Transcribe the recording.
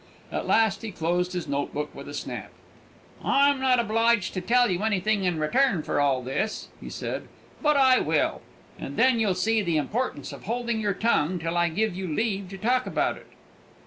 At last he closed his note book with a snap. "I'm not obliged to tell you anything in return for all this," he said; "but I will, and then you'll see the importance of holding your tongue till I give you leave to talk about it."